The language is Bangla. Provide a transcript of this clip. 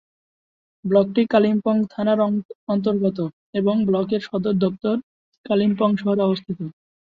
ব্লকটি কালিম্পং থানার অন্তর্গত এবং ব্লকের সদর দফতর কালিম্পং শহরে অবস্থিত।